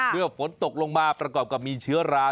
เมื่อฝนตกลงมาประกอบกับมีเชื้อรา